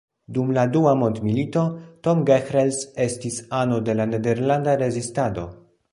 Dum la dua mondmilito, Tom Gehrels estis ano de la nederlanda rezistado.